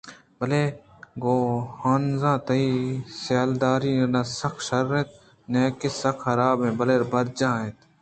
بلئے گوں ہانزءَتئی سیالداری نہ سک شر اِنت ءُنئیکہ سک حراب بلئے برجاہ اِنت